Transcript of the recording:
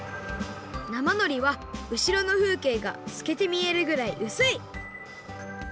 なまのりはうしろのふうけいがすけてみえるぐらいうすい！